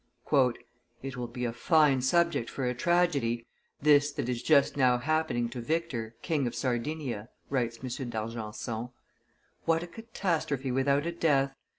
"It will be a fine subject for a tragedy, this that is just now happening to Victor, King of Sardinia," writes M. d'Argenson. "What a catastrophe without a death!